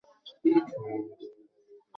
Sumo হ্যাংকের সাথে কাকামুচোতে থাকতে চায়।